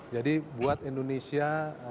jadi buat indonesia